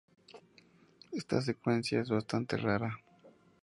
Esta secuencia es bastante rara.